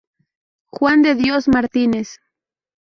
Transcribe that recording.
Juan de Dios Martínez.